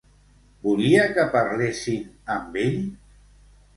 Volia que parlessin amb ell?